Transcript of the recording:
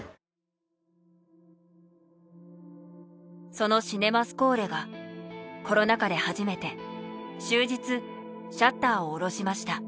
そのシネマスコーレがコロナ禍で初めて終日シャッターを下ろしました。